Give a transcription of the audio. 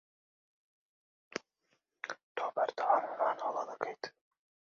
تۆ بەردەوام هەمان هەڵە دەکەیت.